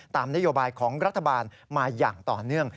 นโยบายของรัฐบาลมาอย่างต่อเนื่อง